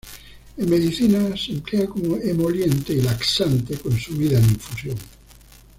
En medicina se emplea como emoliente y laxante, consumida en infusión.